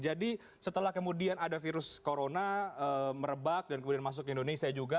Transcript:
jadi setelah kemudian ada virus corona merebak dan kemudian masuk ke indonesia juga